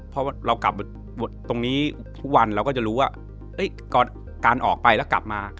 พอเรากลับตรงนี้ทุกวันเราก็จะรู้ว่าการออกไปแล้วกลับมา